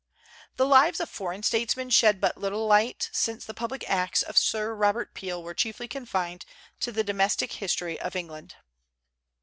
The Lives of foreign statesmen shed but little light, since the public acts of Sir Robert Peel were chiefly confined to the domestic history of England.